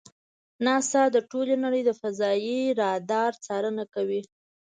ناسا د ټولې نړۍ د فضایي رادار څارنه کوي.